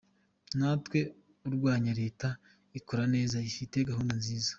Ntawe urwanya Leta ikora neza, ifite gahunda nziza.